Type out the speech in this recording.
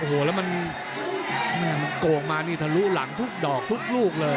โอ้โหแล้วมันโกงมานี่ทะลุหลังทุกดอกทุกลูกเลย